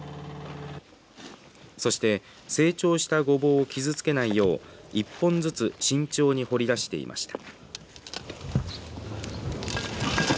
そして成長したごぼうを傷つけないよう１本ずつ慎重に掘り出していました。